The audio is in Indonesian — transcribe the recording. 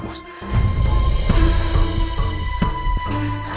lalu automatiknya beruntung